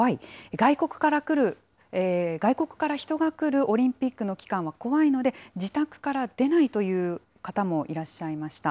外国から来る、外国から人が来るオリンピックの期間は怖いので、自宅から出ないという方もいらっしゃいました。